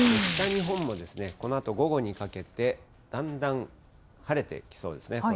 北日本もこのあと午後にかけて、だんだん晴れてきそうですね。